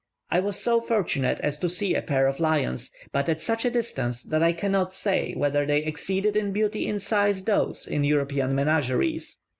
I was so fortunate as to see a pair of lions, but at such a distance, that I cannot say whether they exceeded in beauty and size those in European menageries.